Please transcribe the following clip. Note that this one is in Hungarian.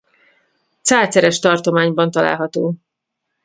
Cáceres tartományban található.